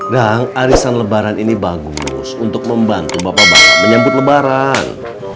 dah arisan lebaran ini bagus untuk membantu bapak bapak menyambut lebaran